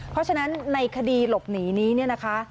เพราะฉะนั้นในคดีหลบหนีนี้เนี่ยนะคะ